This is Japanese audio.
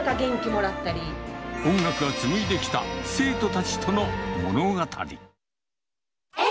音楽がつむいできた生徒たちとの物語。